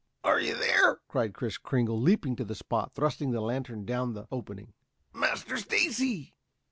"Are you there?" cried Kris Kringle, leaping to the spot, thrusting the lantern down through the opening. "Master Stacy!"